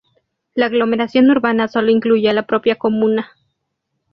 La aglomeración urbana solo incluye a la propia comuna.